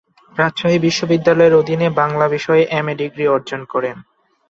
রাজশাহী বিশ্ববিদ্যালয়ের অধীনে বাংলা বিষয়ে এমএ ডিগ্রি অর্জন করেন।